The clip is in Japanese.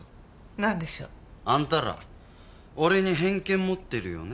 なんでしょう？あんたら俺に偏見持ってるよね？